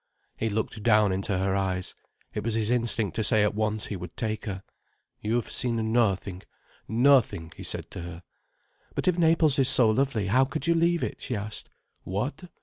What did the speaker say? He looked down into her eyes. It was his instinct to say at once he would take her. "You've seen nothing—nothing," he said to her. "But if Naples is so lovely, how could you leave it?" she asked. "What?"